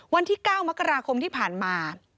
วันที่๙มกราคมที่ผ่านมา